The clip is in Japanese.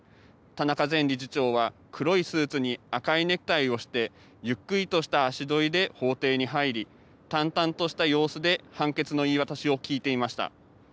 田中前理事長は黒いスーツに赤いネクタイをしてゆっくりとした足取りで法廷に入り、淡々とした様子で判決の言い渡しを聞いていました。